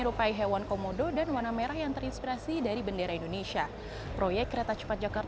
kcic ketua pemerintah pemerintah jogja